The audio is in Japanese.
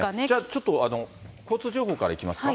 ちょっと、交通情報からいきますか。